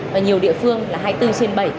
và nhiều địa phương là hai mươi bốn trên bảy